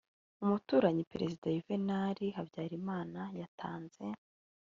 umuturanyi, perezida yuvenali habyarimana yatanze